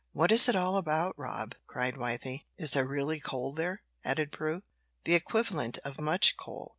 "What is it all about, Rob?" cried Wythie. "Is there really coal there?" added Prue. "The equivalent of much coal.